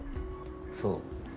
そう。